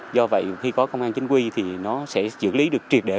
do vậy khi có công an chính quy thì nó sẽ xử lý được triệt để